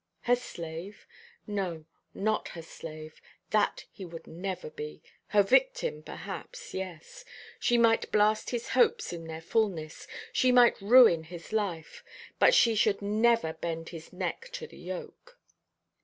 Her slave? No, not her slave; that he would never be. Her victim, perhaps, yes. She might blast his hopes in their fulness; she might ruin his life; but she should never bend his neck to the yoke.